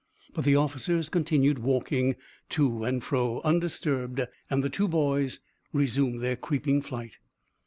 But the officers walked to and fro, undisturbed, and the two boys resumed their creeping flight.